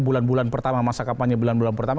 bulan bulan pertama masa kampanye bulan bulan pertama